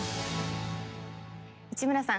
内村さん。